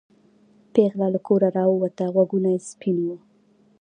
پېغله له کوره راووته غوږونه سپین وو.